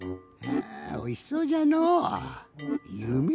いやおいしそうじゃのう。